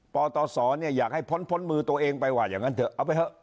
ปตศอยากให้พ้นมือตัวเองไปว่าอย่างนั้นเถอะเอาไปเถอะ